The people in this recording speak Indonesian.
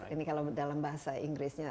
ini kalau dalam bahasa inggrisnya